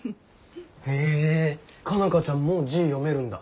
へえ佳奈花ちゃんもう字読めるんだ。